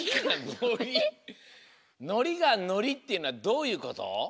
「のりがのり」っていうのはどういうこと？